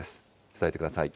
伝えてください。